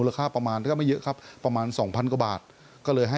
คุยกันนะครับพี่กล้านาโรงเจ้าของร้านนะฮะนอกจากนี้ครับทีมข่าวของเราตามต่อ